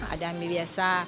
ada mie biasa